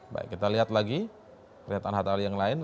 baik kita lihat lagi kelihatan hatta ali yang lain